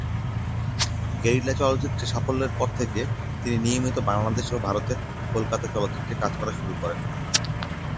Guerrilla চলচ্চিত্রের সাফল্যের পর থেকে তিনি নিয়মিত বাংলাদেশ ও ভারতের কলকাতার চলচ্চিত্রে কাজ করা শুরু করেন।